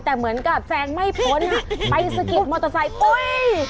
แต่เหมือนกับแซงไม่พ้นไปสะกิดมอเตอร์ไซค์ปุ้ย